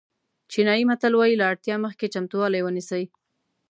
چینایي متل وایي له اړتیا مخکې چمتووالی ونیسئ.